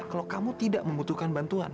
kalau kamu tidak membutuhkan bantuan